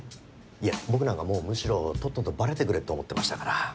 いや僕なんかもうむしろとっととバレてくれと思ってましたから。